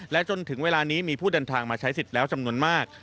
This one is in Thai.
จนถึงเวลานี้มีผู้เดินทางมาใช้สิทธิ์แล้วจำนวนมาก